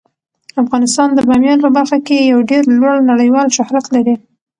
افغانستان د بامیان په برخه کې یو ډیر لوړ نړیوال شهرت لري.